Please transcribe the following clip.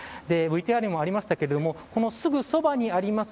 ＶＴＲにもありましたけれどもこのすぐそばにあります